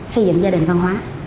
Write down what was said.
xây dựng gia đình văn hóa